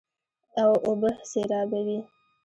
اوبه سېرابوي.